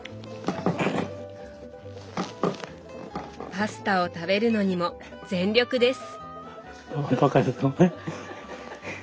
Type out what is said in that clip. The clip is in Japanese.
パスタを食べるのにも全力です。